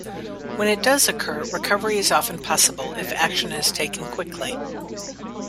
When it does occur, recovery is often possible if action is taken quickly.